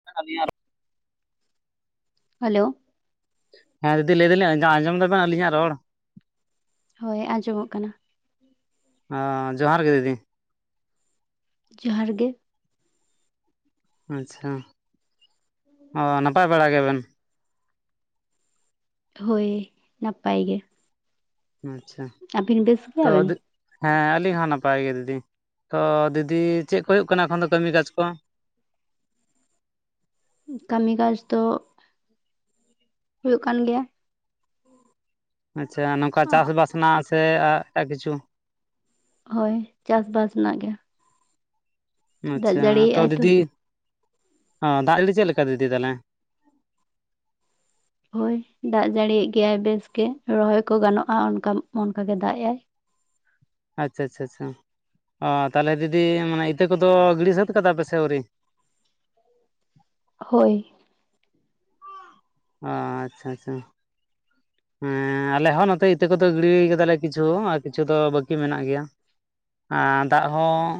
[unintelligible] Hello ᱦᱮᱸ ᱫᱤᱫᱤ ᱞᱟᱹᱭ ᱫᱟᱞᱤᱧ ᱟᱸᱡᱚᱢ ᱫᱟᱵᱮᱱ ᱟᱹᱞᱤᱧᱟᱜ ᱨᱚᱲ? ᱦᱳᱭ ᱟᱸᱡᱚᱢᱚᱜ ᱠᱟᱱᱟ᱾ ᱚ ᱡᱚᱦᱟᱨ ᱜᱮ ᱫᱤᱫᱤᱼᱼ ᱡᱚᱦᱟᱨ ᱜᱮ ᱟᱪᱪᱷᱟ ᱚ ᱱᱟᱯᱟᱭ ᱵᱟᱲᱟ ᱜᱮᱵᱮᱱ? ᱦᱳᱭ ᱱᱟᱯᱟᱭ ᱜᱮ᱾ ᱟᱪᱪᱷᱟ ᱟᱹᱵᱤᱱ ᱵᱮᱥ ᱛᱚ ᱜᱮᱭᱟᱵᱤᱱ ᱟᱫᱚᱼᱼ ᱦᱮᱸ ᱟᱹᱞᱤᱧ ᱦᱚᱸ ᱱᱟᱯᱟᱭ ᱜᱮ ᱫᱤᱫᱤ ᱛᱚ ᱫᱤᱫᱤ ᱪᱮᱫ ᱠᱚ ᱦᱩᱭᱩᱜ ᱠᱟᱱᱟ ᱮᱠᱷᱚᱱ ᱫᱚ ᱠᱟᱹᱢᱤ ᱠᱟᱡᱽ ᱠᱚ? ᱠᱟᱹᱢᱤ ᱠᱟᱡᱽ ᱫᱚᱼᱼ ᱦᱩᱭᱩᱜ ᱠᱟᱱ ᱜᱮᱭᱟ᱾ ᱟᱪᱪᱷᱟ ᱱᱚᱝᱠᱟ ᱪᱟᱥ ᱵᱟᱥ ᱨᱮᱱᱟᱜ ᱥᱮ ᱮ ᱠᱤᱪᱷᱩ? ᱦᱳᱭ ᱪᱟᱥ ᱵᱟᱥ ᱨᱮᱱᱟᱜ ᱜᱮ᱾ ᱫᱟᱜ ᱟᱪᱪᱷᱟ ᱛᱚ ᱡᱟᱹᱲᱤᱭᱮᱜᱼᱟᱭ ᱫᱤᱫᱤ ᱚ ᱫᱟᱜ ᱡᱟᱹᱲᱤ ᱪᱮᱫ ᱞᱮᱠᱟ ᱫᱤᱫᱤ ᱛᱟᱦᱚᱞᱮ? ᱦᱳᱭ ᱫᱟᱜ ᱡᱟᱹᱲᱤᱭᱟᱜ ᱜᱮᱭᱟᱭ ᱵᱮᱥ ᱜᱮ ᱨᱚᱦᱚᱭ ᱠᱚ ᱜᱟᱱᱚᱜᱼᱟ ᱚᱱᱠᱟ ᱚᱱᱠᱟ ᱜᱮ ᱫᱟᱜ ᱮ ᱟᱭ᱾ ᱟᱪᱪᱷᱟ ᱪᱪᱪᱷᱟ ᱚ ᱛᱟᱦᱚᱞᱮ ᱫᱤᱫᱤ ᱢᱟᱱᱮ ᱤᱛᱟᱹ ᱠᱚᱫᱚ ᱜᱤᱲᱤ ᱥᱟᱹᱛ ᱠᱟᱫᱟ ᱯᱮᱥᱮ ᱟᱹᱣᱨᱤ? ᱦᱳᱭ ᱚ ᱟᱪᱪᱷᱟ ᱟᱪᱪᱷᱟ ᱦᱮᱸ ᱟᱞᱮ ᱦᱚᱸ ᱱᱚᱛᱮ ᱤᱛᱟᱹ ᱠᱚᱫᱚ ᱜᱤᱲᱤ ᱠᱟᱫᱟᱞᱮ ᱠᱤᱪᱷᱩ ᱟᱨ ᱠᱤᱪᱷᱩ ᱫᱚ ᱵᱟᱹᱠᱤ ᱢᱮᱱᱟᱜ ᱜᱮᱭᱟ᱾ ᱟᱨ ᱫᱟᱜ ᱦᱚᱸᱼᱼ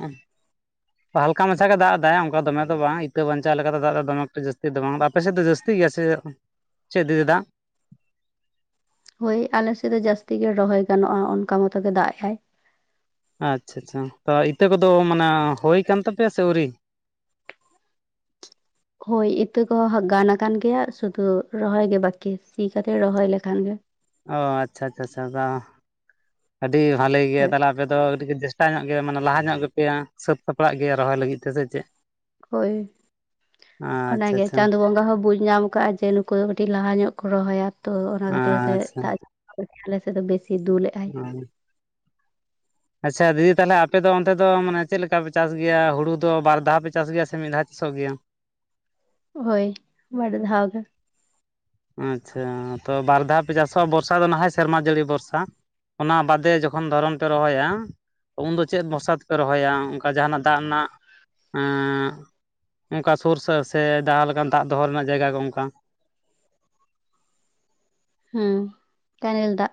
ᱦᱟᱞᱠᱟ ᱢᱟᱪᱷᱟ ᱜᱮ ᱫᱟᱜ ᱮᱫᱟᱭ ᱚᱱᱠᱟ ᱫᱚᱢᱮ ᱫᱚ ᱵᱟᱝ ᱤᱛᱟᱹ ᱵᱟᱧᱪᱟᱣ ᱞᱮᱠᱟ ᱛᱮ ᱫᱟᱜ ᱫᱚᱢᱮᱴ ᱡᱟᱹᱥᱛᱤ ᱫᱚᱢᱮᱼᱼ ᱟᱯᱮ ᱥᱮᱫ ᱫᱚ ᱡᱟᱹᱥᱛᱤ ᱜᱮᱭᱟ ᱥᱮ ᱪᱮᱫ ᱫᱤᱫᱤ ᱫᱟᱜ? ᱦᱳᱭ ᱟᱞᱮᱥᱮᱫ ᱫᱚ ᱡᱟᱹᱥᱛᱤ ᱜᱮ ᱨᱚᱦᱚᱭ ᱜᱟᱱᱚᱜᱼᱟ ᱚᱱᱠᱟ ᱢᱚᱛᱚ ᱜᱮ ᱫᱟᱜ ᱮ ᱟᱭ᱾ ᱟᱪᱪᱷᱟ ᱟᱪᱪᱷᱟ ᱛᱚ ᱤᱛᱟᱹ ᱠᱚᱫᱚ ᱢᱟᱱᱮ ᱦᱩᱭ ᱠᱟᱱ ᱛᱟᱯᱮᱭᱟ ᱥᱮ ᱟᱹᱣᱨᱤ? ᱦᱳᱭ ᱤᱛᱟᱹ ᱠᱚᱦᱚᱸ ᱜᱟᱱ ᱟᱠᱟᱱ ᱜᱮᱭᱟ ᱥᱩᱫᱷᱩ ᱨᱚᱦᱚᱭ ᱜᱮ ᱵᱟᱠᱤ ᱥᱤ ᱠᱟᱛᱮ ᱨᱚᱦᱚᱭ ᱞᱮᱠᱷᱟᱱ ᱜᱮ᱾ ᱚ ᱟᱪᱪᱷᱟ ᱟᱪᱪᱷᱟ ᱪᱷᱟ ᱟᱹᱰᱤ ᱵᱷᱟᱞᱮ ᱜᱮᱭᱟ ᱦᱳᱭ ᱛᱟᱦᱚᱞᱮ ᱟᱯᱮ ᱫᱚ ᱟᱹᱰᱤ ᱡᱟᱹᱥᱛᱤᱼᱼ ᱧᱚᱜ ᱜᱮᱭᱟ ᱢᱟᱱᱮ ᱞᱟᱦᱟ ᱧᱚᱜ ᱜᱮᱯᱮᱭᱟ ᱥᱟᱹᱛ ᱥᱟᱯᱲᱟᱜ ᱜᱮᱭᱟ ᱨᱚᱦᱚᱭ ᱞᱟᱹᱜᱤᱫ ᱛᱮ ᱥᱮ ᱪᱮᱫ? ᱦᱳᱭ ᱟᱪᱪᱷᱟ ᱚᱱᱟᱜᱮ ᱟᱪᱪᱷᱟ ᱪᱟᱸᱫ ᱵᱚᱸᱜᱟ ᱦᱚᱸ ᱵᱩᱡᱼᱼ ᱧᱟᱢ ᱠᱟᱜᱼᱟ ᱡᱮ ᱱᱩᱠᱩ ᱫᱚ ᱠᱟᱹᱴᱤᱡ ᱞᱟᱦᱟ ᱧᱚᱜ ᱠᱚ ᱨᱚᱦᱚᱭᱟ ᱛᱚ ᱚᱱᱟ ᱠᱷᱟᱹᱛᱤᱨ ᱛᱮ ᱟᱪᱪᱷᱟ ᱫᱟᱜᱼᱼ [unintelligible] ᱥᱮᱫ ᱵᱮᱥᱤ ᱫᱩᱞᱼᱼ ᱦᱚᱢ ᱟᱪᱪᱷᱟ ᱫᱤᱫᱤ ᱛᱟᱦᱚᱞᱮ ᱟᱯᱮ ᱫᱚ ᱚᱱᱛᱮ ᱫᱚ ᱢᱟᱱᱮ ᱪᱮᱫ ᱞᱮᱠᱟ ᱯᱮ ᱪᱟᱥ ᱜᱮᱭᱟ ᱦᱩᱲᱩ ᱫᱚ ᱵᱟᱨ ᱫᱷᱟᱣ ᱯᱮ ᱪᱟᱥ ᱜᱮᱭᱟ ᱥᱮ ᱢᱤᱫ ᱫᱷᱟᱣ ᱪᱟᱥᱚᱜ ᱜᱮᱭᱟ? ᱦᱳᱭ ᱵᱟᱨ ᱫᱷᱟᱣ ᱜᱮ᱾ ᱟᱪᱪᱷᱟ ᱛᱚ ᱵᱟᱨ ᱫᱷᱟᱣ ᱯᱮ ᱪᱟᱥᱚᱜᱼᱟ ᱵᱚᱨᱥᱟ ᱫᱚ ᱱᱟᱦᱚᱭ ᱥᱮᱨᱢᱟ ᱡᱟᱹᱲᱤ ᱵᱚᱨᱥᱟ᱾ ᱚᱱᱟ ᱵᱟᱫᱮ ᱡᱚᱠᱷᱚᱱ ᱫᱷᱚᱨᱚᱢ ᱯᱮ ᱨᱚᱦᱚᱭᱟ᱾ ᱩᱱᱫᱚ ᱪᱮᱫ ᱵᱚᱨᱚᱥᱟ ᱛᱮᱯᱮ ᱨᱚᱦᱚᱭᱟ ᱚᱱᱠᱟ ᱡᱟᱦᱟᱱᱟᱜ ᱫᱟᱜ ᱨᱮᱱᱟᱜ᱾ ᱚᱱᱠᱟ ᱥᱩᱨ ᱥᱮ ᱡᱟᱦᱟᱸ ᱞᱮᱠᱟᱱ ᱫᱟᱜ ᱫᱚᱦᱚ ᱨᱮᱱᱟᱜ ᱡᱟᱭᱜᱟ ᱠᱚ ᱚᱱᱠᱟ᱾ ᱦᱮᱸ ᱠᱟᱹᱱᱮᱞ ᱫᱟᱜ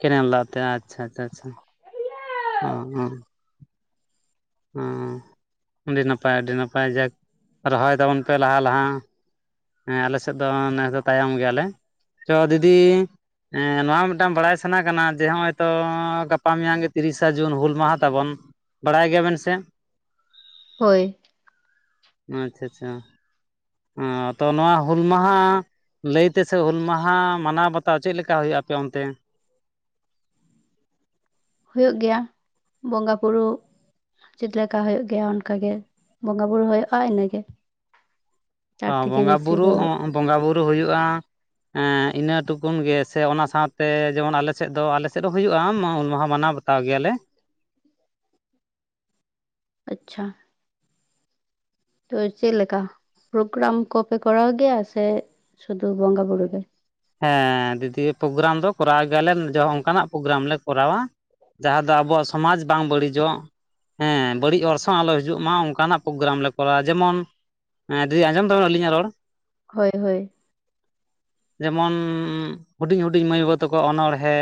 ᱠᱮᱱᱮᱞ ᱫᱟᱜ ᱛᱮ ᱟᱪᱪᱷᱟ ᱟᱪᱪᱷᱟ ᱟᱪᱷᱟ ᱚᱻ ᱟᱹᱰᱤ ᱱᱟᱯᱟᱭ ᱟᱹᱰᱤ ᱱᱟᱯᱟᱭ ᱡᱟᱠ ᱨᱚᱦᱚᱭ ᱛᱟᱵᱚᱱ ᱯᱮ ᱞᱟᱦᱟ ᱞᱟᱦᱟ᱾ ᱦᱮᱸ ᱟᱞᱮ ᱥᱮᱫ ᱫᱚ ᱱᱮᱥ ᱫᱚ ᱛᱟᱭᱚᱢ ᱜᱮᱭᱟᱞᱮ ᱛᱚ ᱫᱤᱫᱤᱼᱼ ᱦᱮᱸ ᱱᱚᱣᱟ ᱢᱤᱫᱴᱟᱝ ᱵᱟᱲᱟᱭ ᱥᱟᱱᱟ ᱠᱟᱱᱟ ᱡᱮ ᱱᱚᱜᱚᱭᱛᱚ, ᱜᱟᱯᱟ ᱢᱮᱭᱟᱝ ᱜᱮ ᱛᱤᱨᱤᱥᱟ ᱡᱩᱱ ᱦᱩᱞ ᱢᱟᱦᱟ ᱛᱟᱵᱚᱱ᱾ ᱵᱟᱲᱟᱭ ᱜᱮᱭᱟ ᱵᱮᱱ ᱥᱮ᱾ ᱦᱳᱭ ᱟᱪᱪᱷᱟ ᱟᱪᱪᱷᱟ ᱟ ᱛᱚ ᱱᱚᱣᱟ ᱦᱩᱞ ᱢᱟᱦᱟ ᱞᱟᱹᱭ ᱛᱮ ᱥᱮ ᱦᱩᱞ ᱢᱟᱦᱟ, ᱢᱟᱱᱟᱣ ᱵᱟᱛᱟᱣ ᱪᱮᱫ ᱞᱮᱠᱟ ᱦᱩᱭᱩᱜ ᱟᱯᱮ ᱚᱱᱛᱮ? ᱦᱩᱭᱩᱜ ᱜᱮᱭᱟ ᱵᱚᱸᱜᱟ ᱵᱩᱨᱩ ᱪᱮᱫ ᱞᱮᱠᱟ ᱦᱩᱭᱩᱜ ᱜᱮᱭᱟ ᱚᱱᱠᱟ ᱜᱮ, ᱵᱚᱸᱜᱟ ᱵᱩᱨᱩᱳ ᱦᱩᱭᱩᱜᱼᱟ ᱤᱱᱟᱹᱜ ᱜᱮ᱾ ᱦᱚᱸ ᱵᱚᱸᱜᱟ ᱵᱩᱨᱩ ᱫᱚ ᱚᱸᱻ ᱵᱚᱸᱜᱟ ᱵᱳᱩᱨᱩ ᱦᱩᱭᱩᱜᱼᱟ᱾ ᱮᱸᱻ ᱤᱱᱟᱹ ᱴᱩᱠᱩᱱ ᱜᱮ ᱥᱮ ᱚᱱᱟ ᱥᱟᱶᱛᱮ ᱡᱮᱢᱚᱱ ᱟᱞᱮ ᱥᱮᱫ ᱫᱚ ᱟᱞᱮ ᱥᱮᱫ ᱦᱚᱸ ᱦᱩᱭᱩᱜᱼᱟ᱾ᱦᱩᱞ ᱢᱟᱦᱟ ᱢᱟᱱᱟᱣ ᱵᱟᱛᱟᱣ ᱵᱟᱛᱟᱣ ᱜᱮᱭᱟᱞᱮ᱾ ᱟᱪᱪᱷᱟ᱾ ᱛᱚ ᱪᱮᱫ ᱞᱮᱠᱟ ᱯᱨᱳᱜᱨᱟᱢ ᱠᱚᱯᱮ ᱠᱚᱨᱟᱣ ᱜᱮᱭᱟ ᱥᱮ ᱥᱩᱫᱩ ᱵᱚᱸᱜᱟ ᱵᱩᱨᱩ ᱜᱮ᱾ ᱦᱮᱸ ᱫᱤᱫᱤ ᱯᱨᱳᱜᱨᱟᱢ ᱫᱚ ᱠᱚᱨᱟᱣ ᱜᱮᱭᱟ ᱞᱮ ᱚᱱᱠᱟᱱᱟᱜ ᱯᱨᱳᱜᱨᱟᱢ ᱞᱮ ᱠᱚᱨᱟᱣᱟ᱾ ᱡᱟᱦᱟᱸ ᱫᱚ ᱟᱵᱚᱣᱟᱜ ᱥᱚᱢᱟᱡᱽ ᱵᱟᱝ ᱵᱟᱹᱲᱤᱡᱚᱜ᱾ ᱦᱮᱸ ᱵᱟᱹᱲᱤᱡ ᱚᱨᱥᱚᱝ ᱟᱞᱚ ᱦᱤᱡᱩᱜ ᱢᱟ ᱚᱱᱠᱟᱱᱟᱜ ᱯᱨᱳᱜᱨᱟᱢ ᱞᱮ ᱠᱚᱨᱟᱣᱟ᱾ ᱡᱮᱢᱚᱱ ᱦᱮᱸ ᱫᱤᱫᱤ ᱟᱸᱡᱚᱢ ᱫᱟᱵᱤᱱ ᱟᱹᱧᱟᱜ ᱨᱚᱲ? ᱦᱳᱭ ᱦᱳᱭ ᱡᱮᱢᱚᱱ ᱦᱩᱰᱤᱧ ᱦᱩᱰᱤᱧ ᱢᱟᱹᱭ ᱵᱟᱹᱵᱩ ᱛᱟᱠᱚ ᱚᱱᱚᱬᱦᱮ,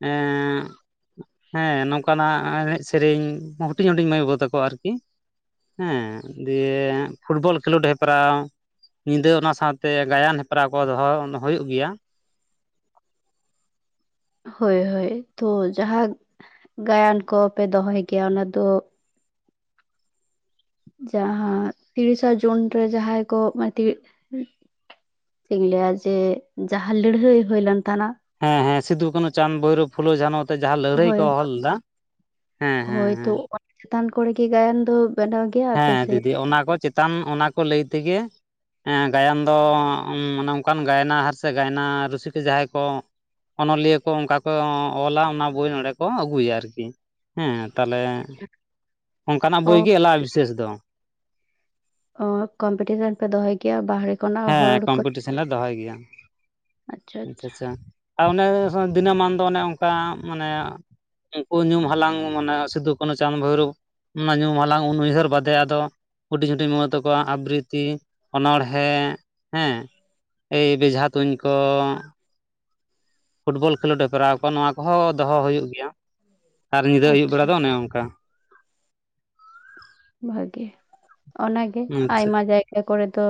ᱸ ᱮᱸᱻ ᱦᱮᱸ ᱱᱚᱝᱠᱟᱱᱟᱜ ᱮᱱᱮᱡ ᱥᱮᱨᱮᱧ ᱦᱩᱰᱤᱧ ᱦᱩᱰᱤᱧ ᱢᱟᱹᱭ ᱵᱟᱹᱵᱩ ᱛᱟᱠᱚᱣᱟ ᱟᱨᱠᱤ᱾ ᱦᱮᱸ ᱫᱤᱭᱮ ᱯᱷᱩᱴᱵᱚᱞ ᱠᱷᱮᱞᱳᱰ ᱦᱮᱯᱨᱟᱣ᱾ ᱧᱤᱫᱟᱹ ᱚᱱᱟ ᱥᱟᱶᱛᱮ ᱜᱟᱭᱟᱱ ᱦᱮᱯᱨᱟᱣ ᱠᱚ ᱫᱚᱦᱚ ᱦᱩᱭᱩᱜ ᱜᱮᱭᱟ᱾ ᱦᱳᱭ ᱦᱳᱭ ᱛᱚ ᱡᱟᱦᱟᱸ ᱜᱟᱭᱟᱱ ᱠᱚᱯᱮ ᱫᱚᱦᱚᱭ ᱜᱮᱭᱟ ᱚᱱᱟ ᱫᱚ ᱡᱟᱦᱟᱸᱟᱸ ᱛᱤᱨᱤᱥᱟ ᱡᱩᱱ ᱨᱮ ᱡᱟᱦᱟᱸᱭ ᱠᱚ ᱢᱤᱴᱤᱡ ᱪᱮᱫ ᱤᱧ ᱞᱟᱹᱭᱟ ᱡᱮ ᱡᱟᱦᱟᱸ ᱞᱟᱹᱲᱦᱟᱹᱭ ᱦᱩᱭᱞᱮᱱ ᱛᱟᱦᱮᱱᱟ᱾ ᱦᱮᱸ ᱦᱮᱸ ᱥᱤᱫᱩ, ᱠᱟᱹᱱᱦᱩ, ᱪᱟᱸᱫ, ᱵᱭᱨᱳᱵ, ᱯᱷᱩᱞ, ᱡᱷᱟᱱ, ᱛᱚ ᱡᱟᱦᱟᱸ ᱞᱟᱹᱲᱦᱟᱹᱭ ᱦᱳᱭ ᱠᱚ ᱦᱚᱦ ᱞᱮᱫᱟ ᱦᱮᱸ ᱦᱮᱸ ᱦᱳᱭ ᱛᱚ ᱦᱮᱸ ᱚᱱᱟ ᱪᱮᱛᱟᱱ ᱠᱚᱨᱮ ᱜᱮ ᱜᱟᱭᱟᱱ ᱫᱚ ᱵᱮᱱᱟᱣ ᱜᱮᱭᱟ ᱟᱯᱮ ᱦᱮᱸ ᱥᱮ ᱫᱤᱫᱤ ᱚᱱᱟ ᱠᱚ ᱪᱮᱛᱟᱱ ᱚᱱᱟ ᱠᱚ ᱞᱟᱹᱭ ᱛᱮᱜᱮ ᱦᱮᱸ ᱜᱟᱭᱟᱱ ᱫᱚ ᱟᱱᱮ ᱚᱱᱠᱟᱱ ᱜᱟᱭᱱᱟᱦᱟᱨ ᱥᱮ, ᱜᱟᱭᱱᱟ ᱨᱩᱥᱤᱠᱟ ᱡᱟᱦᱟᱸᱭ ᱠᱚ ᱚᱱᱚᱞᱤᱭᱟᱹ ᱠᱚ ᱚᱱᱠᱟ ᱠᱚ ᱚᱞᱟ ᱚᱱᱟ ᱵᱳᱭ ᱱᱚᱸᱰᱮ ᱠᱚ ᱟᱹᱜᱩᱭᱟ ᱟᱨᱠᱤ᱾ ᱦᱮᱸ ᱛᱟᱦᱚᱞᱮ [inaudible] ᱚᱱᱠᱟᱱᱟᱜ ᱚ ᱵᱳᱭ ᱜᱮ ᱮᱞᱟᱜᱼᱟ ᱵᱤᱥᱮᱥ ᱫᱚ᱾ ᱚ ᱠᱚᱢᱯᱤᱴᱤᱥᱚᱱ ᱯᱮ ᱫᱚᱦᱚᱭ ᱠᱮᱭᱟ ᱵᱟᱦᱨᱮ ᱠᱷᱚᱱᱟᱜ ᱦᱚᱲ ᱦᱮᱸ ᱠᱚ ᱠᱚᱢᱯᱤᱴᱤᱥᱚᱱ ᱞᱮ ᱫᱚᱦᱚᱭ ᱜᱮᱭᱟ, ᱟᱪᱪᱷᱟ ᱟᱪᱪᱷᱟ᱾ ᱟᱨ ᱚᱱᱮ ᱫᱤᱱᱟᱹᱢᱟᱱ ᱫᱚ ᱚᱱᱮ ᱚᱱᱠᱟ, ᱢᱟᱱᱮ ᱩᱱᱠᱩ ᱧᱩᱢ ᱦᱟᱞᱟᱝ ᱢᱟᱱᱮ ᱥᱤᱫᱩ ᱠᱟᱹᱱᱦᱩ ᱪᱟᱸᱫᱽ ᱵᱷᱳᱭᱨᱳᱵᱽ᱾ ᱚᱱᱟ ᱧᱩ ᱦᱟᱞᱟᱝ ᱩᱱ ᱩᱭᱦᱟᱹᱨ ᱵᱟᱫᱮ ᱟᱫᱚ ᱦᱩᱰᱤᱧ ᱦᱩᱰᱤᱧ ᱢ ᱛᱟᱠᱚᱣᱟ ᱟᱵᱨᱤᱛᱤ ᱚᱱᱚᱬᱦᱮᱸ ᱦᱮᱸ ᱮᱭ ᱵᱮᱡᱷᱟ ᱛᱩᱧ ᱠᱚ, ᱯᱷᱩᱴᱵᱚᱞ ᱠᱷᱮᱞᱳᱰ ᱦᱮᱯᱨᱟᱣ ᱠᱚ ᱱᱚᱣᱟ ᱠᱚᱦᱚᱸ ᱫᱚᱦᱚ ᱦᱩᱭᱩᱜ ᱜᱮᱭᱟ᱾ ᱟᱨ ᱧᱤᱫᱟᱹ ᱟᱹᱭᱩᱵ ᱟᱪᱪᱷᱟ ᱵᱮᱲᱟ ᱫᱚ ᱚᱱᱮ ᱚᱱᱠᱟ᱾ ᱵᱷᱟᱜᱤ ᱚᱱᱟᱜᱮ ᱟᱪᱪᱷᱟ ᱟᱭᱢᱟ ᱡᱟᱭᱜᱟ ᱠᱚᱨᱮ ᱫᱚ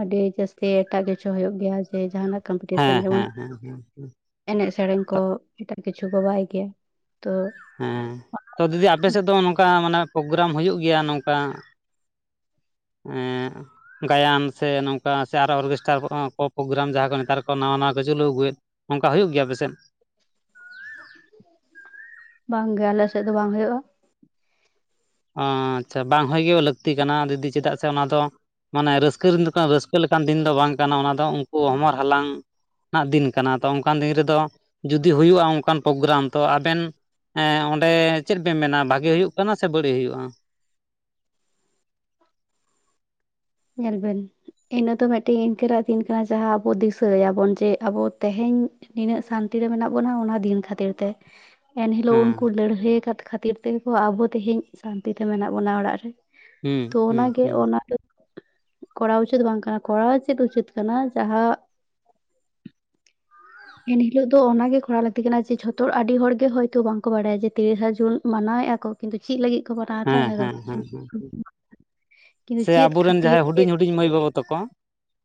ᱟᱹᱰᱤ ᱡᱟᱹᱥᱛᱤ ᱮᱴᱟᱜ ᱠᱤᱪᱷᱩ ᱦᱩᱭᱩᱜᱳᱜ ᱜᱮᱭᱟ᱾ᱡᱮ ᱡᱟᱦᱟᱱᱟᱜ ᱠᱚᱢᱯᱤᱴᱤᱥᱱ ᱦᱮᱸ ᱡᱮᱢᱚᱱ ᱦᱮᱸ ᱦᱮᱸ ᱦᱮᱸ ᱮᱱᱮᱡ ᱥᱮᱨᱮᱧ ᱠᱚ ᱮᱴᱟᱜ ᱠᱤᱪᱷᱩ ᱠᱚ ᱵᱟᱭ ᱜᱮᱭᱟ ᱛᱚᱼᱼ ᱦᱮᱸ ᱛᱚ ᱫᱤᱫᱤ ᱟᱯᱮᱥᱮᱫ ᱫᱚ ᱱᱚᱝᱠᱟ ᱢᱟᱱᱮ ᱯᱨᱳᱜᱨᱟᱢ ᱦᱩᱭᱩᱜ ᱜᱮᱭᱟ? ᱱᱚᱝᱠᱟ? ᱮᱻ ᱜᱟᱭᱟᱱ ᱥᱮ ᱱᱚᱝᱠᱟ ᱥᱮ ᱟᱨᱚ ᱚᱨᱠᱮᱥᱴᱟᱨ ᱠᱚ ᱯᱨᱳᱜᱨᱟᱢ ᱡᱟᱦᱟᱸ ᱠᱚ ᱱᱮᱛᱟᱨ ᱠᱚ ᱱᱟᱣᱟ ᱱᱟᱣᱟ ᱠᱚ ᱪᱟᱹᱞᱩ ᱟᱹᱜᱩᱭᱮᱫ? ᱚᱱᱠᱟ ᱦᱩᱭᱩᱜ ᱜᱮᱭᱟ ᱟᱯᱮᱥᱮᱫ? ᱵᱟᱝ ᱜᱮ ᱟᱞᱮᱥᱮᱫ ᱫᱚ ᱵᱟᱝ ᱦᱩᱭᱩᱜᱼᱟ᱾ ᱚ ᱟᱪᱪᱷᱟ ᱵᱟᱝ ᱦᱚᱭ ᱜᱮ ᱞᱟᱹᱠᱛᱤ ᱠᱟᱱᱟ ᱫᱤᱫᱤ ᱪᱮᱫᱟᱜ ᱥᱮ, ᱚᱱᱟ ᱫᱚᱼᱼ ᱢᱟᱱᱮ ᱨᱟᱹᱥᱠᱟᱹ ᱨᱮᱱ ᱫᱚ ᱨᱟᱹᱥᱠᱟᱹ ᱞᱮᱠᱟᱱ ᱫᱤᱱ ᱫᱚ ᱵᱟᱝ ᱠᱟᱱᱟ᱾ ᱚᱱᱟ ᱫᱚ ᱩᱱᱠᱩ ᱦᱚᱢᱚᱨ ᱦᱟᱞᱟᱝᱼᱼ ᱫᱤᱱ ᱠᱟᱱᱟ ᱛᱚ ᱚᱱᱠᱟᱱ ᱫᱤᱱ ᱨᱮᱫᱚ ᱡᱩᱫᱤ ᱦᱩᱭᱩᱜᱼᱟ ᱚᱱᱠᱟᱱ ᱯᱨᱳᱜᱨᱟᱢ, ᱛᱚ ᱟᱵᱮᱱᱼᱼ ᱦᱮᱸ ᱚᱸᱰᱮ ᱪᱮᱫ ᱯᱮ ᱢᱮᱱᱟ, ᱵᱷᱟᱜᱤ ᱦᱩᱭᱩᱜ ᱠᱟᱱᱟ, ᱥᱮ ᱵᱟᱹᱲᱤᱡ ᱦᱩᱭᱩᱜᱼᱟ? ᱧᱮᱞᱵᱮᱱ, ᱤᱱᱟᱹ ᱫᱚ ᱢᱤᱫᱴᱮᱱ ᱤᱱᱠᱟᱹᱱᱟᱜ ᱫᱤᱱ ᱠᱟᱱᱟ ᱡᱟᱦᱟᱸ ᱟᱵᱚ ᱫᱤᱥᱟᱹᱭᱟᱵᱚᱱ ᱡᱮ ᱟᱵᱚ ᱛᱮᱦᱮᱧᱼᱼ ᱱᱤᱱᱟᱹᱜ ᱥᱟᱱᱛᱤ ᱨᱮ ᱢᱮᱱᱟᱜ ᱵᱚᱱᱟ ᱚᱱᱟ ᱫᱤᱱ ᱠᱷᱟᱹᱛᱤᱨ ᱛᱮ᱾ ᱮᱱᱦᱤᱞᱳᱜ ᱦᱮᱸ ᱩᱱᱠᱩ ᱞᱟᱹᱲᱦᱟᱹᱭ ᱟᱠᱟᱫ ᱠᱷᱟᱹᱛᱤᱨ ᱛᱮ ᱜᱮ ᱠᱚ ᱟᱵᱚ ᱛᱮᱦᱮᱧ ᱥᱟᱱᱛᱤ ᱛᱮ ᱢᱮᱱᱟᱜ ᱵᱚᱱᱟ ᱚᱲᱟᱜ ᱨᱮ᱾ ᱦᱮᱸ ᱛᱚ ᱚᱱᱟ ᱦᱮᱸ ᱜᱮ, ᱦᱮᱸ ᱚᱱᱟ ᱫᱚᱼᱼ ᱠᱚᱨᱟᱣ ᱩᱪᱤᱛ ᱵᱟᱝ ᱠᱟᱱᱟ, ᱠᱚᱨᱟᱣ ᱪᱮᱫ ᱩᱪᱤᱛ ᱠᱟᱱᱟ ᱡᱟᱦᱟᱸᱼᱼ ᱮᱱᱦᱤᱞᱳᱜ ᱫᱚ ᱚᱱᱟᱜᱮ ᱠᱚᱨᱟᱣ ᱞᱟᱹᱠᱛᱤ ᱠᱟᱱᱟ, ᱡᱮ ᱡᱷᱚᱛᱚ ᱦᱚᱲ ᱟᱹᱰᱤ ᱦᱚᱲ ᱜᱮ ᱦᱭᱛᱚ ᱵᱟᱝᱠᱚ ᱵᱟᱲᱟᱭᱟ ᱡᱮ ᱛᱤᱨᱤᱥᱟ ᱡᱩᱱ ᱢᱟᱱᱟᱣᱮᱫᱼᱟ ᱠᱚᱼᱼ ᱠᱤᱱᱛᱩ ᱪᱮᱫ ᱞᱟᱹᱜᱤᱫ ᱠᱚ ᱠᱚᱨᱟᱣ ᱮᱫᱟ ᱦᱮᱸ ᱤᱱᱟᱹ ᱫᱚ ᱦᱮᱸ ᱦᱮᱸ ᱦᱮᱸ ᱠᱤᱱᱛᱩ ᱪᱮᱫ ᱠᱷᱟᱹᱛᱤᱨ ᱪᱼᱼ ᱤᱧ ᱢᱟᱹᱭ ᱵᱟᱹᱵᱟ ᱛᱟᱠᱚ᱾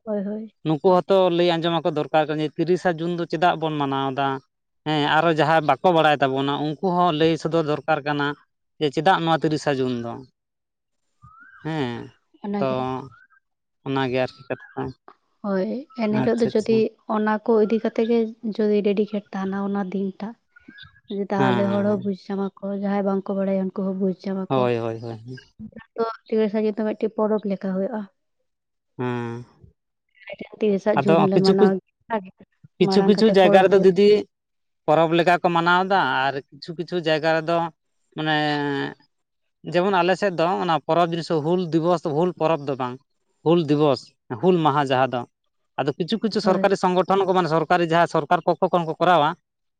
ᱦᱳᱭ ᱦᱳᱭ, ᱱᱩᱠᱩ ᱦᱚᱸᱛᱚ ᱞᱟᱹᱭ ᱟᱸᱡᱚᱢ ᱟᱠᱚ ᱫᱚᱨᱠᱟᱨ ᱠᱟᱱᱟ, ᱛᱤᱨᱤᱥᱟ ᱡᱩᱱ ᱫᱚ ᱪᱮᱫᱟᱜ ᱵᱚᱱ ᱢᱟᱱᱟᱣ ᱮᱫᱟ? ᱦᱮᱸ ᱟᱨᱚ ᱡᱟᱦᱟᱸᱭ ᱵᱟᱠᱚ ᱵᱟᱲᱟᱭ ᱛᱟᱵᱚᱱᱟ ᱩᱱᱠᱩ ᱦᱚᱸ ᱞᱟᱹᱭ ᱥᱚᱫᱚᱨ ᱫᱚᱨᱠᱟᱨ ᱠᱟᱱᱟ᱾ ᱡᱮ ᱪᱮᱫᱟᱜ ᱱᱚᱣᱟ᱾ ᱛᱤᱨᱤᱥᱟ ᱡᱩᱱ ᱫᱚ᱾ ᱦᱮᱸ ᱛᱚᱼᱼ ᱚᱱᱟᱜᱮ ᱚᱱᱟᱜᱮ ᱟᱨᱠᱤ ᱠᱟᱛᱷᱟ, ᱦᱳᱭ ᱮᱱᱦᱤᱞᱳᱜ ᱫᱚ ᱟᱪᱪᱷᱟ ᱟᱪᱪᱷᱟ ᱡᱩᱫᱤᱼᱼ ᱦᱮᱸ ᱚᱱᱟ ᱠᱚ ᱤᱫᱤ ᱠᱟᱛᱮ ᱜᱮ ᱡᱩᱫᱤ ᱰᱤᱰᱤᱠᱮᱴ ᱛᱟᱦᱮᱱᱟ ᱚᱱᱟ ᱫᱤᱱᱴᱟᱜ᱾ ᱛᱟᱦᱚᱞᱮ ᱦᱚᱲ ᱦᱮᱸ ᱦᱚᱸ ᱵᱩᱡ ᱥᱟᱢᱟ ᱠᱚ ᱡᱟᱦᱟᱸᱭ ᱵᱟᱝᱠᱚ ᱵᱟᱲᱟᱭᱟ᱾ ᱠᱩᱦ ᱵᱩᱡᱽ ᱧᱟᱢᱟ ᱠᱚ ᱦᱳᱭ ᱦᱳᱭ ᱦᱳᱭ ᱛᱚ ᱢᱤᱫᱴᱮᱱ ᱯᱚᱨᱚᱵᱽ ᱞᱮᱠᱟ ᱦᱩᱭᱩᱜᱼᱟ᱾ ᱦᱮᱸ᱾ ᱟ ᱛᱤᱨᱤᱥᱟᱜ ᱟᱫᱚ ᱡᱩᱱ ᱞᱮ ᱠᱤᱪᱷᱩ ᱢᱟᱱᱟᱣ ᱜᱮᱭᱟ ᱟᱨ ᱠᱤᱪᱷᱩ ᱢᱟᱲᱟᱝ ᱠᱤᱪᱷᱩ ᱠᱟᱛᱮ ᱡᱟᱭᱜᱟ ᱯᱚᱨᱚᱵᱽ ᱨᱮᱫᱚ ᱦᱩᱭᱩᱜᱼᱼ ᱫᱤᱫᱤ ᱯᱚᱨᱚᱵᱽ ᱞᱮᱠᱟ ᱠᱚ ᱢᱟᱱᱟᱣ ᱮᱫᱟ, ᱟᱨ ᱠᱤᱪᱷᱩ ᱠᱤᱪᱷᱩ ᱡᱟᱭᱜᱟ ᱨᱮᱫᱚ ᱢᱟᱱᱮᱼᱼ ᱡᱮᱢᱚᱱ ᱟᱞᱮ ᱥᱮᱫ ᱫᱚ, ᱚᱱᱟ ᱯᱚᱨᱚᱵᱽ ᱡᱤᱱᱤᱥ ᱫᱚ ᱦᱩᱞ ᱫᱤᱵᱚᱥ ᱦᱩᱞ ᱯᱚᱨᱚᱵᱽ ᱫᱚ ᱵᱟᱝ᱾ ᱦᱩᱞ ᱫᱤᱵᱚᱥ, ᱦᱩᱞ ᱢᱟᱦᱟ ᱡᱟᱦᱟᱸ ᱫᱚ᱾ ᱟᱫᱚ ᱠᱤᱪᱷᱩ ᱠᱤᱪᱷᱩ ᱦᱳᱭ ᱥᱚᱨᱡᱟᱨᱤ ᱥᱚᱝᱜᱚᱴᱷᱚᱱ ᱠᱚ ᱢᱟᱱᱮ ᱥᱚᱨᱼᱼ ᱚᱠᱟᱨᱮ ᱡᱟᱦᱟᱸ ᱥᱚᱨᱠᱟᱨ ᱯᱚᱠᱠᱷᱚ ᱠᱷᱚᱱ ᱠᱚᱨᱟᱣᱟ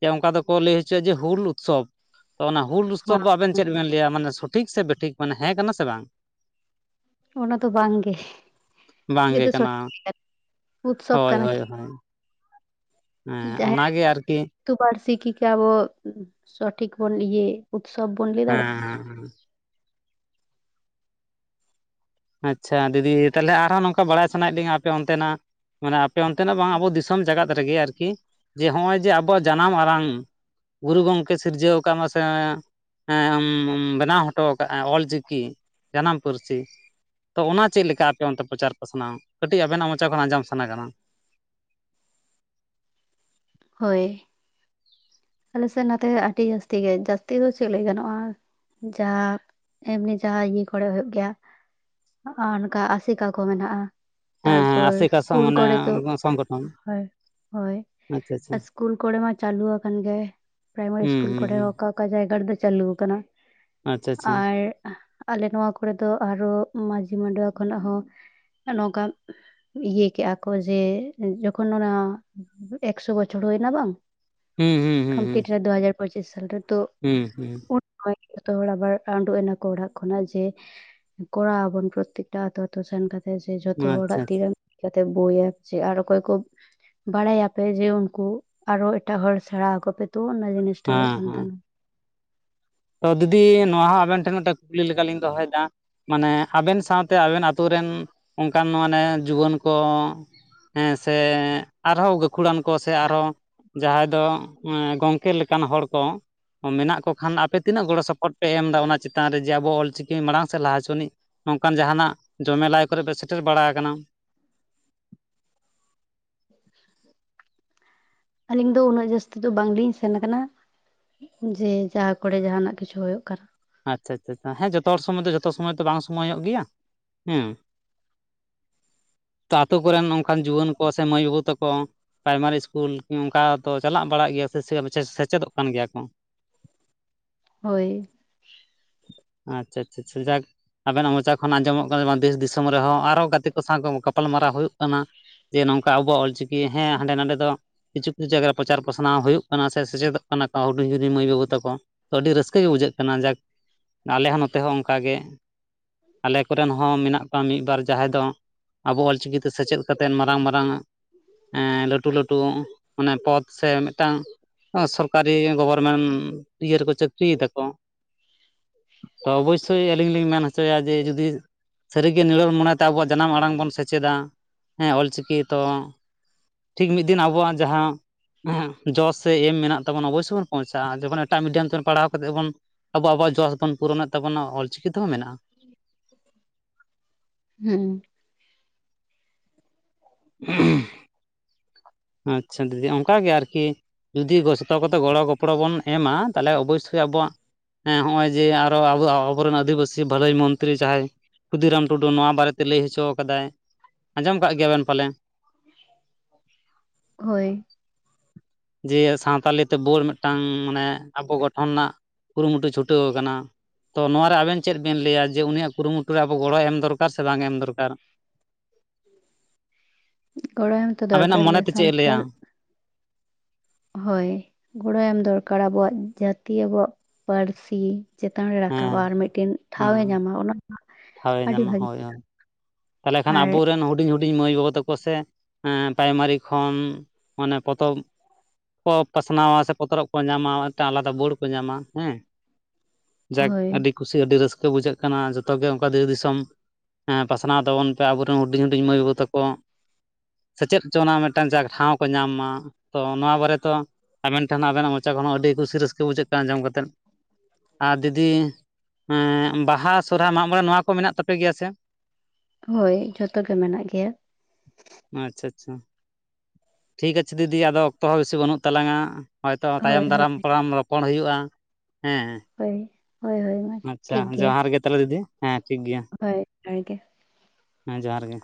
ᱡᱮ ᱚᱱᱠᱟ ᱫᱚᱠᱚ ᱞᱟᱹᱭ ᱦᱚᱪᱚᱼᱟ ᱡᱮ ᱦᱩᱞ ᱩᱛᱥᱚᱵᱽ᱾ ᱛᱚ ᱚᱱᱟ ᱦᱩᱞ ᱩᱥᱛᱚᱵ ᱫᱚ ᱟᱵᱮᱱ ᱪᱮᱫ ᱵᱮᱱ ᱞᱟᱹᱭᱟ? ᱢᱟᱱᱮ ᱥᱚᱴᱷᱤᱠ ᱥᱮ ᱵᱮᱴᱷᱤᱠ ᱢᱟᱱᱮᱸ ᱠᱟᱱᱟ ᱥᱮ ᱵᱟᱝ? ᱚᱱᱟ ᱫᱚ ᱵᱟᱝ ᱜᱮ᱾ ᱵᱟᱝᱜᱮ ᱪᱤᱠᱟᱹᱛᱮ ᱠᱟᱱᱟ ᱥᱚᱴᱷᱤᱠ ᱜᱮᱭᱟ᱾ ᱦᱳᱭ ᱦᱳᱭ ᱦᱳᱭ᱾ ᱦᱮᱸ, ᱡᱟᱦᱟᱸᱭ ᱚᱱᱟᱜᱮ ᱟᱨᱠᱤ᱾ ᱟᱹᱛᱩ ᱯᱟᱹᱨᱥᱤ ᱠᱤ ᱜᱮ ᱟᱵᱚ ᱥᱚᱴᱷᱤᱠ ᱵᱚᱱ ᱤᱭᱟᱹ ᱩᱛᱥᱚᱵ ᱵᱚᱱ ᱞᱟᱹᱭ ᱫᱟᱲᱮᱭᱟᱜᱼᱟ᱾ ᱦᱮᱸᱮᱸ᱾ ᱟᱪᱪᱷᱟ ᱫᱤᱫᱤ, ᱛᱟᱦᱚᱞᱮ ᱟᱨᱦᱚᱸ ᱱᱚᱝᱠᱟ ᱵᱟᱲᱟᱭ ᱥᱟᱱᱟᱭᱮᱫ ᱞᱤᱧᱟᱹ ᱟᱯᱮ ᱚᱱᱛᱮᱱᱟᱜᱼᱼ ᱢᱟᱱᱮ ᱟᱯᱮ ᱚᱱᱛᱮᱱᱟᱜ ᱵᱟᱝ ᱟᱵᱚ ᱫᱤᱥᱚᱢ ᱡᱟᱠᱟᱛ ᱨᱮᱜᱮ ᱟᱨᱠᱤ? ᱡᱮ ᱱᱚᱜᱼᱚᱭ ᱡᱮ ᱟᱵᱚᱣᱟᱜ ᱡᱟᱱᱟᱢ ᱟᱲᱟᱝ, ᱜᱩᱨᱩ ᱜᱚᱢᱠᱮ ᱥᱤᱨᱡᱟᱹᱣ ᱟᱠᱟᱫ ᱢᱟᱥᱮᱼᱼ ᱵᱮᱱᱟᱣ ᱦᱚᱴᱚ ᱟᱠᱟᱫᱼᱟ ᱚᱞᱪᱤᱠᱤ ᱡᱟᱱᱟᱢ ᱯᱟᱹᱨᱥᱤ᱾ ᱛᱚ ᱚᱱᱟ ᱪᱮᱫ ᱞᱮᱠᱟ ᱟᱯᱮ ᱚᱱᱛᱮ ᱯᱚᱪᱟᱨ ᱯᱟᱥᱱᱟᱣ-ᱟ ᱾ ᱠᱟᱹᱴᱤᱡ ᱟᱵᱮᱱᱟᱜ ᱢᱚᱪᱟ ᱠᱷᱚᱱ ᱟᱸᱡᱚᱢ ᱥᱟᱱᱟ ᱠᱟᱱᱟ ᱾ ᱦᱳᱭ᱾ ᱟᱞᱮ ᱥᱮᱫ ᱱᱛᱮ ᱟᱹᱰᱤ ᱡᱟᱹᱥᱛᱤ ᱜᱮ, ᱡᱟᱹᱥᱛᱤ ᱫᱚ ᱪᱮᱫ ᱞᱟᱹᱭ ᱜᱟᱱᱚᱜᱼᱟ ᱡᱟᱦᱟᱸ, ᱮᱢᱱᱤ ᱡᱟᱦᱟᱸ ᱤᱭᱟᱹ ᱠᱚᱨᱮ ᱦᱩᱭᱩᱜ ᱜᱮᱭᱟ ᱾ ᱟᱨ ᱚᱱᱠᱟ ᱟᱥᱮᱠᱟ ᱠᱚ ᱢᱮᱱᱟᱜᱼᱟ ᱾ ᱦᱮᱸ ᱦᱮᱸ ᱛᱟᱨᱯᱚᱨ ᱟᱥᱮᱠᱟ ᱤᱥᱠᱩᱞ ᱢᱟᱱᱮ ᱠᱚᱨᱮ ᱛᱚ, ᱥᱚᱝᱜᱚᱴᱷᱚᱱ ᱦᱚᱭ, ᱦᱚᱭ ᱾ ᱟᱪᱪᱷᱟ ᱟᱪᱪᱷᱟ ᱤᱥᱠᱩᱞ ᱠᱚᱨᱮ ᱢᱟ ᱪᱟᱹᱟᱞᱩᱣᱟ ᱜᱮ ᱯᱨᱟᱭᱢᱟᱨᱤ ᱦᱩᱸ ᱤᱥᱠᱩᱞ ᱦᱩᱸ ᱠᱚᱨᱮ ᱦᱩᱸ ᱚᱠᱟ ᱚᱠᱟ ᱡᱟᱭᱜᱟ ᱨᱮᱫᱚ ᱪᱟᱹᱞᱩ ᱟᱠᱟᱱᱟ ᱟᱪᱪᱷᱟ ᱟᱪᱪᱷᱟ ᱾ ᱟᱨ ᱟᱞᱮ ᱱᱚᱣᱟ ᱠᱚᱨᱮ ᱫᱚ ᱟᱨᱦᱚ ᱢᱟᱺᱡᱷᱤ ᱢᱟᱰᱣᱟ ᱠᱷᱚᱱᱟᱜ ᱦᱚᱸ, ᱱᱚᱝᱠᱟᱱ ᱤᱭᱟᱹ ᱠᱮᱜᱼᱟᱠᱚ ᱡᱮ ᱡᱚᱠᱷᱚᱱ ᱚᱱᱟ ᱮᱠ ᱥᱚ ᱵᱚᱪᱷᱚᱨ ᱦᱩᱭᱱᱟ ᱵᱟᱝ ᱦᱩᱸ ᱦᱩᱸ ᱦᱩᱸ ᱮᱱᱛᱮ ᱠᱷᱟᱡ ᱫᱚ ᱫᱩ ᱦᱟᱡᱟᱨ ᱯᱚᱸᱪᱤᱥ ᱥᱟᱞ ᱨᱮᱛᱚᱼᱼ ᱦᱩᱸ ᱦᱩᱸ ᱾ ᱩᱱ [inaudible] ᱡᱚᱛᱚ ᱦᱚᱲ ᱟᱵᱟᱨ ᱟᱸᱰᱳᱜ ᱮᱱᱟᱠᱚ ᱚᱲᱟᱜ ᱠᱷᱚᱱᱟᱜ ᱡᱮ ᱠᱚᱨᱟᱣ ᱟᱵᱚᱱ ᱯᱨᱚᱛᱛᱮᱠᱴᱟ ᱟᱛᱳ ᱟᱛᱳ ᱥᱮᱱ ᱠᱟᱛᱮᱜ ᱦᱩᱸ ᱡᱷᱚᱛᱚ ᱟᱪᱪᱷᱟ ᱦᱚᱲᱟᱜ ᱟᱪᱪᱷᱟ ᱛᱤᱨᱮᱱ ᱪ [inaudible] ᱠᱟᱛᱮ ᱵᱳᱭ ᱟᱨ ᱚᱠᱚᱭ ᱠᱚ, ᱵᱟᱲᱟᱭ-ᱟᱯᱮ ᱡᱮ ᱩᱱᱠᱩ ᱟᱨᱚ ᱮᱴᱟᱜ ᱦᱚᱲ ᱥᱮᱬᱟ ᱟᱠᱚ ᱯᱮ ᱛᱚ ᱚᱱᱟ ᱡᱤᱱᱤᱥ ᱴᱟᱜ ᱦᱳᱭᱳᱜ ᱦᱮᱸ ᱠᱟᱱ ᱦᱮᱸ ᱛᱟᱸᱦᱮᱱᱟ ᱾ ᱛᱚ ᱫᱤᱫᱤ ᱱᱚᱣᱟ ᱦᱚᱸ ᱟᱵᱮᱱ ᱴᱷᱮᱱ ᱢᱤᱫ ᱴᱮᱱ ᱠᱩᱠᱞᱤ ᱞᱮᱠᱟ ᱞᱤᱧ ᱫᱚᱦᱚᱭᱮᱫᱟ ᱾ ᱢᱟᱱᱮ ᱟᱵᱮᱱ ᱥᱟᱶᱛᱮ ᱟᱵᱮᱱ ᱟᱛᱳ ᱨᱮᱱ ᱚᱱᱠᱟᱱ ᱢᱟᱱᱮ ᱡᱩᱣᱟᱹᱱ ᱠᱚᱼᱼ ᱦᱮᱸ ᱥᱮ, ᱟᱨᱦᱚᱸ ᱜᱟᱹᱠᱷᱩᱲᱟᱱ ᱠᱚ ᱥᱮ ᱟᱨᱦᱚᱸᱼᱼ ᱡᱟᱦᱟᱸᱭ ᱫᱚ, ᱮᱸ ᱜᱚᱝᱠᱮ ᱞᱮᱠᱟᱱ ᱦᱚᱲ ᱠᱚ ᱢᱮᱱᱟᱜ ᱠᱚ ᱠᱷᱟᱱ ᱟᱯᱮᱼᱼ ᱛᱤᱱᱟᱹᱜ ᱜᱚᱲᱚ ᱥᱚᱯᱚᱦᱚᱫ ᱯᱮ ᱮᱢ ᱚᱫᱟ, ᱚᱱᱟ ᱪᱮᱛᱟᱱ ᱨᱮ ᱡᱮ ᱟᱵᱚ ᱚᱞ ᱪᱤᱠᱤ ᱢᱟᱲᱟᱝ ᱥᱮᱫ ᱞᱟᱦᱟ ᱦᱚᱪᱚᱱᱤᱡ ᱾ ᱱᱚᱝᱠᱟᱱ ᱡᱟᱸᱦᱟᱱᱟᱜ ᱡᱚᱢᱮᱞᱟᱭ ᱠᱚᱨᱮ ᱯᱮ ᱥᱮᱴᱮᱨ ᱵᱟᱲᱟ ᱟᱠᱟᱱᱟ? [inaudible] ᱟᱞᱤᱧ ᱫᱚ ᱩᱱᱟᱹᱜ ᱡᱟᱹᱥᱛᱤ ᱫᱚ ᱵᱟᱝ ᱞᱤᱧ ᱥᱮᱱ ᱟᱠᱟᱱᱟ ᱾ ᱡᱮ ᱡᱟᱦᱟᱸ ᱠᱚ ᱨᱮ ᱡᱟᱦᱱᱟᱜ ᱠᱤᱪᱷᱩ ᱦᱩᱭᱩᱜ ᱠᱟᱱᱟ ᱾ ᱟᱪᱪᱷᱟ ᱟᱪᱪᱷᱟ ᱦᱮᱸ ᱡᱷᱚᱛᱚ ᱦᱚᱲ ᱥᱚᱢᱚᱭ ᱫᱚ ᱡᱷᱚᱛᱚ ᱥᱚᱢᱚᱭ ᱫᱚ ᱵᱟᱝ ᱥᱚᱢᱚᱭᱚᱜ ᱜᱮᱭᱟ, ᱦᱮᱸᱼᱼ ᱛᱚ ᱟᱛᱳ ᱠᱚᱨᱮᱱ ᱱᱚᱝᱠᱟᱱ ᱡᱩᱣᱟᱹᱱ ᱠᱚ ᱥᱮ ᱢᱟᱹᱭ ᱵᱟᱹᱵᱩ ᱛᱟᱠᱚᱼᱼ ᱯᱨᱟᱭᱢᱟᱨᱤ ᱤᱥᱠᱩᱞ ᱚᱱᱠᱟ ᱫᱚ ᱪᱟᱞᱟᱣ ᱵᱟᱲᱟᱜ ᱜᱮᱭᱟ ᱥᱮ, ᱥᱮ ᱥᱮᱪᱮᱫᱚᱜ ᱠᱟᱱ ᱜᱮᱭᱟ ᱠᱚ ᱾ ᱦᱳᱭ ᱟᱪᱪᱷᱟ ᱟᱪᱪᱷᱟ ᱟᱪᱪᱷᱟ ᱡᱟᱠᱼᱼ ᱟᱵᱮᱱᱟᱜ ᱢᱚᱪᱟ ᱠᱷᱚᱱ ᱟᱸᱡᱚᱢᱚᱜ ᱠᱟᱱᱟ ᱡᱮ ᱫᱮᱥ ᱫᱤᱥᱚᱢ ᱨᱮᱦᱚᱸ ᱟᱨᱦᱚᱸ ᱜᱟᱛᱮ ᱠᱚ ᱥᱟᱶ ᱠᱚ ᱜᱟᱯᱟᱞ ᱢᱟᱨᱟᱣ ᱦᱩᱭᱩᱜ ᱠᱟᱱᱟ ᱾ ᱡᱮ ᱱᱚᱝᱠᱟ ᱟᱵᱚᱣᱟᱜ ᱚᱞᱪᱤᱠᱤ ᱦᱚᱸ ᱦᱟᱸᱰᱮ ᱱᱟᱸᱰᱮ ᱫᱚᱼᱼ ᱠᱤᱪᱷᱩ ᱠᱤᱪᱷᱩ ᱡᱟᱭᱜᱟ ᱯᱨᱚᱪᱟᱨ ᱯᱟᱥᱱᱟᱣ ᱦᱩᱭᱩᱜ ᱠᱟᱱᱟ ᱥᱮᱪᱮᱫᱚᱜ ᱠᱟᱱᱟ, ᱦᱩᱰᱤᱧ ᱦᱩᱰᱤᱧ ᱢᱟᱹᱭ ᱵᱟᱹᱵᱩ ᱛᱟᱠᱚ ᱾ ᱛᱚ ᱟᱹᱰᱤ ᱨᱟᱹᱥᱠᱟᱹ ᱜᱮ ᱵᱩᱡᱷᱟᱹᱜ ᱠᱟᱱᱟ ᱡᱟᱠ, ᱟᱞᱮ ᱦᱚᱸ ᱱᱚᱛᱮ ᱦᱚᱸ ᱚᱱᱠᱟ ᱜᱮ ᱾ ᱟᱞᱮ ᱠᱚᱨᱮᱱ ᱦᱚᱸ ᱢᱮᱱᱟᱜ ᱠᱚᱣᱟ ᱢᱤᱫ ᱵᱟᱨ ᱡᱟᱦᱟᱸᱭ ᱫᱚᱼᱼ ᱟᱵᱚ ᱚᱞ ᱪᱤᱠᱤ ᱛᱮ ᱥᱮᱪᱮᱫ ᱠᱟᱛᱮᱫ ᱢᱟᱨᱟᱝ ᱢᱟᱨᱟᱝᱼᱼ ᱮᱸ ᱞᱟᱹᱴᱩ ᱞᱟᱹᱴᱩ, ᱢᱟᱱᱮ ᱯᱚᱫᱽ ᱥᱮ ᱢᱤᱫᱴᱟᱝᱼᱼ ᱮ ᱥᱚᱨᱠᱟᱨᱤ ᱜᱚᱵᱷᱚᱨᱢᱮᱱᱴ ᱤᱭᱟᱹ ᱨᱮᱠᱚ ᱪᱟᱹᱠᱨᱤ ᱫᱟᱠᱚ ᱾ ᱛᱚ ᱚᱵᱚᱥᱥᱳᱭ ᱟᱹᱞᱤᱧ ᱞᱤᱧ ᱢᱮᱱ ᱦᱚᱪᱚᱭ ᱫᱟ ᱡᱮ, ᱡᱩᱫᱤᱼᱼ ᱥᱟᱹᱨᱤ ᱜᱮ ᱱᱤᱨᱚᱲ ᱢᱚᱱᱮ ᱛᱮ ᱟᱵᱚᱣᱟᱜ ᱡᱟᱱᱟᱢ ᱟᱲᱟᱝ ᱵᱚᱱ ᱥᱮᱪᱮᱫᱟ, ᱦᱮᱸ ᱚᱞ ᱪᱤᱠᱤ ᱛᱚᱼᱼ ᱴᱷᱤᱠ ᱢᱤᱫ ᱫᱤᱱ ᱟᱵᱚᱣᱟᱜ ᱡᱟᱦᱟᱸᱼᱼ ᱦᱮᱸ ᱡᱚᱥ ᱥᱮ ᱮᱢ ᱢᱮᱱᱟᱜ ᱛᱟᱵᱚᱱ ᱚᱵᱚᱥᱥᱳ ᱵᱚᱱ ᱯᱳᱣᱪᱟᱜᱼᱟ, ᱡᱚᱠᱷᱚᱱ ᱮᱴᱟᱜ ᱢᱤᱰᱤᱭᱟᱢ ᱛᱮ ᱯᱟᱲᱦᱟᱣ ᱠᱟᱛᱮ ᱵᱚᱱᱼᱼ ᱟᱵᱚ ᱟᱵᱚᱣᱟᱜ ᱡᱚᱥ ᱵᱚᱱ ᱯᱩᱨᱚᱱᱮᱫ ᱛᱟᱵᱚᱱᱟ ᱚᱞ ᱪᱤᱠᱤ ᱛᱮ ᱦᱚᱸ ᱢᱮᱱᱟᱜᱼᱟ ᱾ ᱦᱩᱸ [unintelligible] ᱟᱪᱪᱷᱟ ᱫᱤᱫᱤ ᱚᱱᱠᱟ ᱜᱮ ᱟᱨᱠᱤ ᱾ ᱡᱩᱫᱤ ᱡᱚ ᱛᱚ ᱠᱚ ᱛᱮ ᱜᱚᱲᱚ ᱜᱚᱯᱚ ᱲᱚᱜ ᱵᱚᱱ ᱮᱢᱟ ᱛᱟᱦᱞᱮ ᱚᱵᱚᱥᱥᱳᱭ ᱟᱵᱚᱣᱟᱜ᱾ ᱦᱮᱸ ᱦᱚᱜᱼᱚᱭ ᱡᱮ ᱟᱨᱚ ᱟᱵᱚ ᱟᱵᱚ ᱨᱮᱱ ᱟᱹᱫᱤ ᱵᱟᱹᱥᱤ ᱵᱷᱟᱹᱞᱟᱹᱭ ᱢᱚᱱ ᱛᱤᱨᱤ ᱡᱟᱦᱟᱸᱭ ᱠᱷᱩᱫᱷᱤᱨᱟᱢ ᱴᱩᱰᱩ ᱱᱚᱣᱟ ᱵᱟᱨᱮ ᱛᱮ ᱞᱟᱹᱭ ᱦᱚ ᱪᱚ ᱟᱠᱟᱫᱟᱭ ᱟᱸᱡᱚᱢ ᱠᱟᱫ ᱜᱮᱭᱟ ᱵᱤᱱ ᱯᱟᱞᱮᱱ᱾ ᱦᱳᱭ ᱡᱮ ᱥᱟᱱᱛᱟᱲᱤ ᱛᱮ ᱵᱷᱟᱹᱲ ᱢᱤᱫ ᱴᱟᱝ ᱢᱟᱱᱮ ᱟᱵᱚ ᱜᱚᱴᱷᱚᱱ ᱨᱮᱱᱟᱜ ᱠᱩᱨᱩ ᱢᱩᱴᱩ ᱪᱷᱩᱴᱟᱹᱣ ᱟᱠᱟᱱᱟ᱾ ᱛᱚ ᱱᱚᱣᱟ ᱨᱮ ᱟᱵᱮᱱ ᱪᱮᱫ ᱵᱮᱱ ᱞᱟᱹᱭ ᱟ ᱡᱮ ᱩᱱᱤᱭᱟᱜ ᱠᱩᱨᱩ ᱢᱩᱴᱩ ᱨᱮ ᱟᱵᱚ ᱜᱚᱲᱚ ᱮᱢ ᱫᱚᱨᱠᱟᱨ ᱥᱮ ᱵᱟᱝ ᱮᱢ ᱫᱚᱨᱠᱟᱨ᱾ ᱜᱚᱲᱚ ᱮᱢ ᱛᱚ ᱟᱵᱮᱱᱟᱜ ᱫᱚᱨᱠᱟᱨ ᱢᱚᱱᱮ ᱜᱮ ᱛᱮ ᱪᱮᱫ ᱮ ᱞᱟᱹᱭᱟ? ᱥᱟᱱᱛᱟᱲ ᱦᱳᱭ ᱜᱚᱲᱚᱭ ᱮᱢ ᱫᱚᱨᱠᱟᱨ ᱟᱵᱚᱣᱟᱜ ᱡᱟᱹᱛᱤ ᱟᱵᱚᱣᱟᱜ ᱯᱟᱹᱨᱥᱤ ᱪᱮᱛᱟᱱ ᱨᱮ ᱨᱟᱠᱟᱵᱟ ᱦᱮᱸ ᱟᱨ ᱢᱤᱫ ᱴᱤᱱ ᱴᱷᱟᱶ ᱮ ᱧᱟᱢ‌ ᱚᱱᱟᱼᱼ ᱴᱷᱟᱶ ᱮ ᱧᱟᱢᱟ ᱦᱳᱭ ᱦᱳᱭ ᱛᱟᱦᱞᱮ ᱠᱷᱟᱱ ᱟᱵᱚ ᱟᱨ ᱨᱮᱱᱼᱼ ᱦᱩᱰᱤᱧ ᱦᱩᱰᱤᱧ ᱢᱟᱹᱭ ᱵᱟᱵᱩ ᱛᱟᱠᱚ ᱥᱮ ᱯᱮᱨᱟᱭ ᱢᱟᱨᱤ ᱠᱷᱚᱱ ᱢᱟᱱᱮ ᱯᱚᱛᱚᱵᱼᱼ ᱠᱚ ᱯᱟᱥ ᱱᱟᱣ ᱥᱮ ᱯᱚᱛᱚ ᱨᱚᱜ ᱠᱚ ᱧᱟᱢᱟ ᱢᱤᱫ ᱴᱟᱝ ᱟᱞᱟᱫᱟ ᱵᱳᱲ ᱠᱚ ᱧᱟᱢᱟ ᱦᱮᱸᱼᱼ ᱡᱟᱠ ᱦᱳᱭ ᱟᱹᱰᱤ ᱠᱩᱥᱤ ᱟᱹᱰᱤ ᱨᱟᱹᱥᱠᱟᱹ ᱵᱩᱡᱷᱟᱹᱜ ᱠᱟᱱᱟ ᱡᱷᱚᱛᱚ ᱜᱮ ᱚᱱᱠᱟ ᱫᱮᱥ ᱫᱤᱥᱚᱢᱼᱼ ᱯᱟᱥᱟᱱᱟᱣ ᱛᱟᱵᱚᱱ ᱯᱮ ᱟᱵᱚ ᱨᱮᱱ ᱦᱩᱰᱤᱧ ᱦᱩᱰᱤᱧ ᱢᱟᱹᱭ ᱵᱟᱹᱵᱩ ᱛᱟᱠᱚ, ᱥᱮᱪᱮᱫ ᱦᱚᱪᱚ ᱱᱟ ᱢᱤᱫ ᱴᱟᱝ ᱡᱟ ᱴᱷᱟᱶ ᱠᱚ ᱧᱟᱢ ᱢᱟ ᱛᱚ ᱱᱚᱣᱟ ᱵᱟᱨᱮᱛᱚ ᱟᱵᱮᱱ ᱴᱷᱮᱱ ᱦᱚᱸ ᱟᱵᱮ ᱱᱟᱜ ᱢᱚᱪᱟ ᱠᱷᱚᱱᱟᱜ ᱟᱹᱰᱤ ᱠᱩᱥᱤ ᱨᱟᱹᱠᱟᱹ ᱵᱩᱡᱷᱟᱹᱜ ᱠᱟᱱᱟ ᱟᱸᱡᱚᱢ ᱠᱟᱛᱮᱫ᱾ ᱟᱨ ᱫᱤᱫᱤ ᱵᱟᱦᱟ ᱥᱚᱨᱦᱟᱭ ᱢᱟᱜ ᱢᱚᱬᱮ ᱱᱚᱣᱟ ᱠᱚ ᱢᱮᱱᱟᱜ ᱛᱟᱯᱮ ᱜᱮᱭᱟ ᱥᱮ? ᱦᱳᱭ ᱡᱷᱚᱛᱚ ᱜᱮ ᱢᱮᱱᱟᱜ ᱜᱮᱭᱟ᱾ ᱟᱪᱪᱷᱟ ᱪᱪᱪᱷᱟ ᱴᱷᱤᱠ ᱜᱟᱪᱷᱮ ᱫᱤᱫᱤ ᱟᱫᱚ ᱚᱠᱛᱚ ᱦᱚᱸ ᱵᱮᱥᱤ ᱵᱟᱹᱱᱩᱜ ᱛᱟᱞᱟᱝᱼᱟ᱾ ᱦᱚᱭ ᱛᱚ ᱦᱳᱭ ᱛᱟᱭᱚᱢ ᱫᱟᱨᱟᱢ ᱦᱳᱭ ᱯᱟᱞᱮᱱ ᱨᱚᱯᱚᱲ ᱦᱳᱭᱳᱜᱼᱟ ᱦᱮᱸ ᱦᱳᱭ ᱦᱳᱭ ᱦᱳᱭ ᱢᱟᱼᱼ ᱟᱪᱪᱷᱟ ᱡᱚᱦᱟᱨ ᱜᱮ ᱛᱟᱦᱚᱞᱮ ᱫᱤᱫᱤ ᱦᱮᱸ ᱴᱷᱤᱠ ᱜᱮᱭᱟ᱾ ᱦᱳᱭ ᱡᱚᱦᱟᱨ ᱜᱮᱼᱼ ᱦᱮᱸ ᱡᱚᱦᱟᱨ ᱜᱮ